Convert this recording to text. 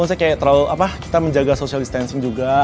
maksudnya kayak terlalu apa kita menjaga social distancing juga